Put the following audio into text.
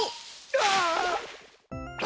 ああ。